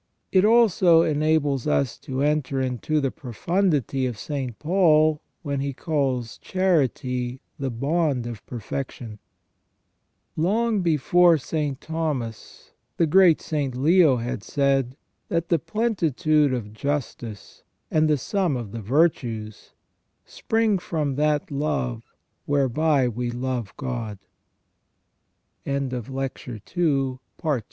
It also enables us to enter into the profundity of St. Paul, when he calls charity the bond of perfection. Long before St. Thomas, the great St. Leo had said, that "the plenitude of justice, and the sum of the virtues, spring from that love whereby